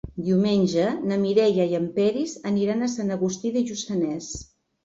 Diumenge na Mireia i en Peris aniran a Sant Agustí de Lluçanès.